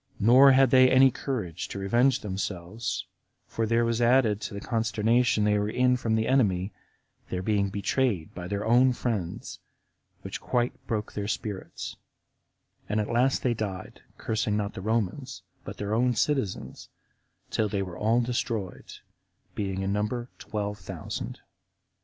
Nor had they any courage to revenge themselves; for there was added to the consternation they were in from the enemy, their being betrayed by their own friends, which quite broke their spirits; and at last they died, cursing not the Romans, but their own citizens, till they were all destroyed, being in number twelve thousand.